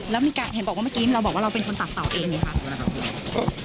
แล้วมีการเห็นบอกว่าเมื่อกี้เราบอกว่าเราเป็นคนตัดเตาเองไหมคะ